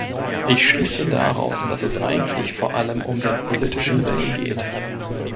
Ich schließe daraus, dass es eigentlich vor allem um den politischen Willen geht.